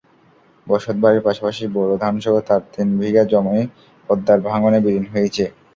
বসতবাড়ির পাশাপাশি বোরো ধানসহ তাঁর তিন বিঘা জমি পদ্মার ভাঙনে বিলীন হয়েছে।